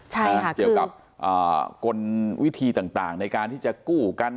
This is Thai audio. ใช่ค่ะเกี่ยวกับอ่ากลวิธีต่างต่างในการที่จะกู้กัน